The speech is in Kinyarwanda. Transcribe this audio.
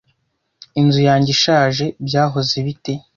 Inzu yanjye ishaje byahoze bite?